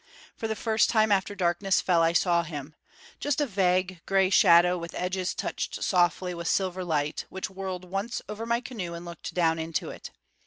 For the first time after darkness fell I saw him just a vague, gray shadow with edges touched softly with silver light, which whirled once over my canoe and looked down into it.